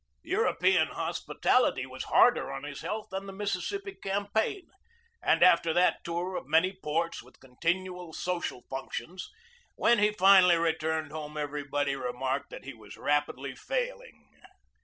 European hospitality was harder on his health than the Mississippi campaign, and after that tour SERVICE AFTER THE WAR 141 of many ports with continual social functions, when he returned home everybody remarked that he was rapidly failing.